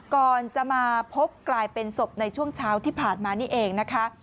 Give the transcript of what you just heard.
ก่อนจะมาพบกลายเป็นศพในช่วงเช้าที่ผ่านมานี่เองนะคะ